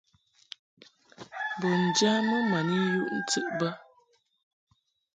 Bun njamɨ ma ni yuʼ ntɨʼ bə.